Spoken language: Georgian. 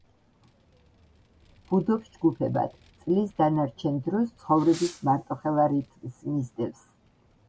ბუდობს ჯგუფებად, წლის დანარჩენ დროს ცხოვრების მარტოხელა რითმს მისდევს.